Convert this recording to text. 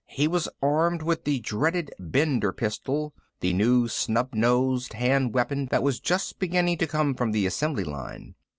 He was armed with the dreaded Bender pistol, the new snub nosed hand weapon that was just beginning to come from the assembly line.